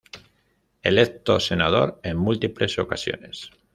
Electo senador en múltiples ocasiones.